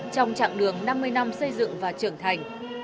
trong chặng đường năm mươi năm xây dựng và trưởng thành